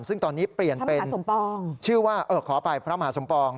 ซึ่งตอนนี้เปลี่ยนเป็นชื่อว่าขออภัยพระมหาสมปอง